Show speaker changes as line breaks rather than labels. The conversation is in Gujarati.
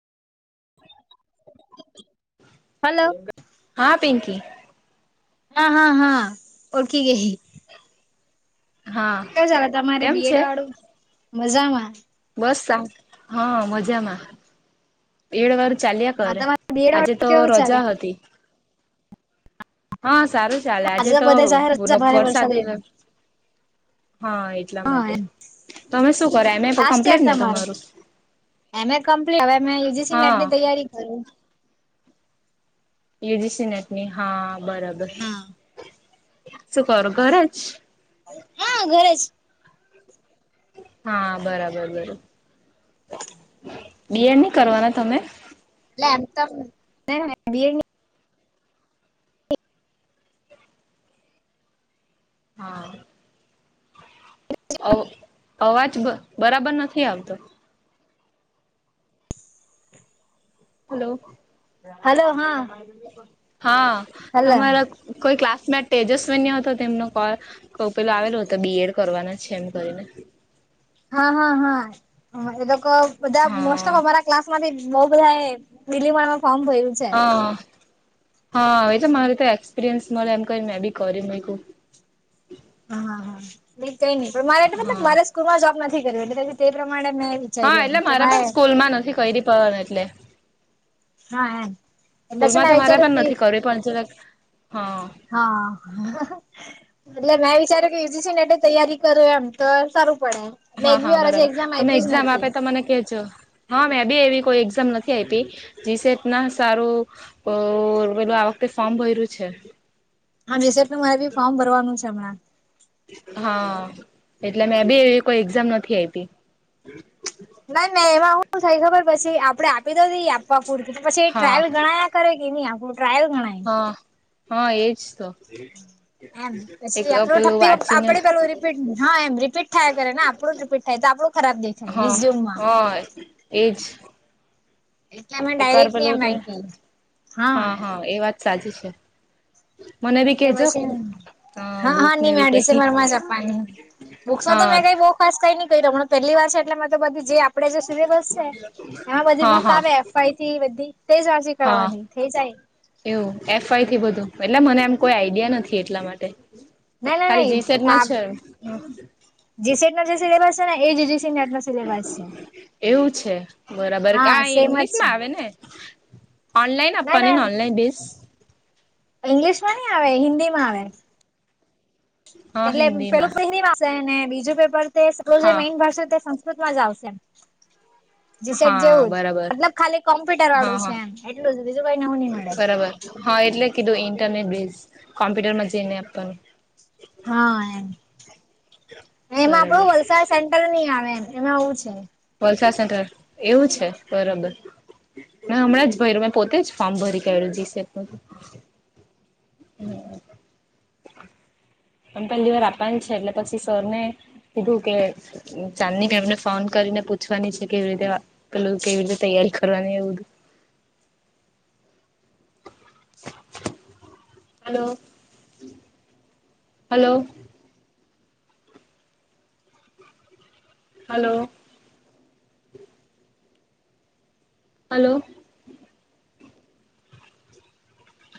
[inaudible]
હલો
હા પિંકી
હા હા હા ઓળકી ગહિ
હા
કે જાલા તમારે
કેમ
બી
છે
એડ વાળું? મજામા
બસ, હા મજામાં. એડ વાર ચાલ્યા
હા
કરે,
તમારે બીએડ
આજે
વાળું
તો
કેવું ચાલે
રજા હતી. હા સારું ચાલે, આજે તો
બધા જાહેર
ઓનો
રજા ભારે
વરસાદ હતે હા એ એટલા
હા
માટે,
એમ
તમે શું કરો એમે
લાસ્ટ યર
કમ્પ્લેટ ને તમારું?
એમ એ કમ્પ્લીટ, હવે મે ઈ જી સી નેટ
હા
ની તૈયારી કરુ.
ઈ જી સી નેટ ની હા બરાબર,
હા
શું કરો ઘરેજ
હા ઘરેજ
હા બરાબર બરો, બી એડ નહી કરવાના તમે?
લે આમ તો એમ નાહા બી એડ
હા અવ અવાજ બરાબર નથી આવતો.
[inaudible]
હલો
હલો હા
હા
હલો
તમારા કોઈ ક્લાસમેટ તેજસ્વન હતો તેમનો કોલ કો પેલો આવેલો હતો, બી એડ કરવાના છે, એમ કરીને.
હા હા હા એ તો કવ બધા મોસ્ટ ઓફ
હા
અમારા ક્લાસમાંથી બહુ બધા એ બલીમણમાં ફર્મ ભર્યું છે
હ હા એતો મારેતો એક્સપિરિયન્સ મળે એમ કરી મેં બી કરી મૂક્યું
હ હા નઈ કઈ નઈ પણ મારે મતલબ
હા
મારે સ્કૂલ માં જોબ નથી કરવી, એટલે તે પ્રમાણે મેં
હા
વિચાર્યું
એટલે
એમ કે
મારે પણ સ્કૂલ માં નથી કઈરિ પ એટલે
હા એમ એટલે છે
સ્કૂલમાં
ને
તો મારે
વિચાર્યું
પણ
કે
નથી કરવી, પણ જરાક હા
હા [unintelligible] એટલે મેં વિચાર્યું કે ઇઝી છે એટલે તૈયારી કરું એમતો સારું પડે. મેં
હા
એક બી
હા
વાર હજી
બરાબર,
એક્ઝામ
તમે
આપી જ
એક્ઝામ
નથી
આપે તો મને કેજો, હા મેં બી એવી કોઈ એક્ઝામ નથી આપી. જીસેત સારું ઓર પેલું આ વખતે ફોર્મ ભર્યું છે.
હા રીસેટ નુ મારે બી ફોર્મ ભરવાનું છે હમણાં.
હા, એટલે મેં બી એવી રીતે કોઈ એક્ઝામ નથી આઈપી.
નાઇ નઈ એમાં હું થઈ ખબર પછી આપડે આપી તો દઈએ આપવા પૂરતી પછી એ
હા
ટ્રાયલ ગણા કરે કે નઈ, આપણું ટ્રાયલ ગણાય.
હ હા એજ તો.
એમ
એક
પછી આપડું
પેલું
ઠપી
વાંચીને
આપડે પેલું રીપીટ હા એમ રીપીટ થાય કરે ને આપણું જ રીપીટ થાય તો આપણું ખરાબ દેખાય રિઝ્યુમમાં
હોયે એજ
એટલે અમે
એક વાર
ડાયરેક્ટ ની એમ
પેલુંતે,
આપી
હા હા એ વાત સાચી છે. મને બી
એટલે
કેજો
પછી, હા
બુક
હા
ને
ની મે
એવું કઈ
ડિસેમ્બર માં જ આપવાની. બુક્સ તો
હા
મેં કઈ બુક ખ કઈ નઈ કરી રહ્યો પેલી વાર છે એટલે તો બધી જે આપડે જે સિલેબસ છે, એમાં બધી
હા
બુક
હા
આવે થી બધી તે જ વાસી
હા
કરવાની થ જાય
એવું એફઆઈ થી બધું એટલે મને એમ કોઈ આઈડિયા નથી એટલા માટે
ના
ખાલી જીસેટ નો છે.
જીસીટ નો જે સિલેબસ છે ને એ જ જસીનર નો સિલેબસ છે.
એવું છે બરાબર
હા
કા
સેમ જ
ઇંગ્લિશ
છે
માં આવે ને ઓનલાઈન
ના
આપવાની ને ઓનલાઈન બેસ
ઇંગ્લિશ માં નઈ આવે હિન્દી માં આવે
હા
એટલે
હિન્દીમાં
પેલું [inaudible] વા ને બીજું પેપર
હા
મેન ભ [unintelligible] જ આવશેમ જીસેટ
હા
જેવું જ
બરાબર
મતલબ ખાલી કોમ્પ્યુટર
હા
વાળું છે,
હા
એમ એટલું જ બીજું કઈ નવું નહી, મળે
બરાબર હા એટલે કીધું ઇન્ટરનેટ બેઝ કોમ્પ્યુટર માં જઈ નને આપવાનુ
હા એમ એમ
બરાબર
આપડું વલસાડ સેન્ટ્રલ નની આવે એમ એમાં આવું છે.
વલસા સેન્ટર એવું છે, બરાબર હમણાં જ મારું મેં પોતે જ ફોર્મ ભરી કેલું જઈશે એલ [unintelligible] પણ પેલી વાર આપવાની છે, એટલે પછી સર ને કીધું કે ચાંદી કે અમને ફોન કરીને પૂછવાની છે, કેવી રીતે પેલું કેવી રીતે તૈયારી કરવાની એવ બધુ [inaudible] હલો હલો. હલો. હલો.